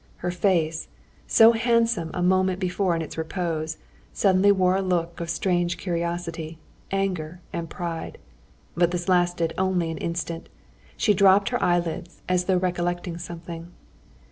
Her face—so handsome a moment before in its repose—suddenly wore a look of strange curiosity, anger, and pride. But this lasted only an instant. She dropped her eyelids, as though recollecting something.